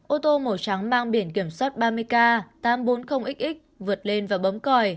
ô tô màu trắng mang biển kiểm soát ba mươi k tám trăm bốn mươi x vượt lên và bấm còi